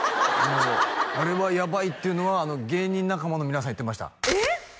「あれはやばい」っていうのは芸人仲間の皆さん言ってましたえっ！？